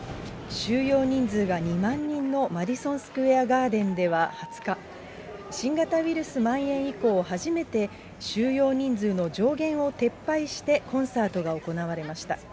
収容人数が２万人のマディソン・スクエア・ガーデンでは２０日、新型ウイルスまん延以降初めて、収容人数の上限を撤廃して、コンサートが行われました。